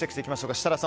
設楽さん